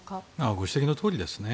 ご指摘のとおりですね。